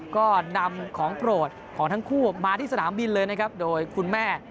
ก็นำของโปรดของทั้งคู่มาที่สนามบินเลยนะครับโดยคุณแม่